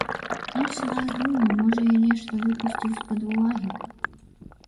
Іншы раз думаю, можа, я нешта выпусціў з-пад увагі.